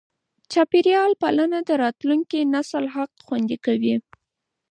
چاپېریال پالنه د راتلونکي نسل حق خوندي کوي.